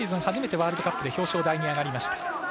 初めてワールドカップで表彰台に上がりました。